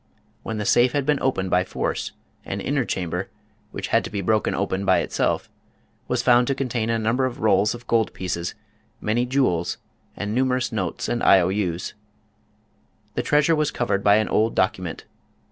When the safe had been opened by force, an inner chamber, which had to be broken open by itself, was found to con tain a number of rolls of gold pieces, many jewels and numerous notes and I. O. U.'s. The treasure was covered by an old document.